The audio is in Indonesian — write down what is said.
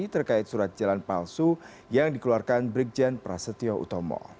terkait surat jalan palsu yang dikeluarkan brigjen prasetyo utomo